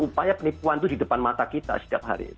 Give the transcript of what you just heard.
upaya penipuan itu di depan mata kita setiap hari